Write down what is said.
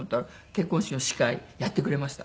結婚式の司会やってくれました。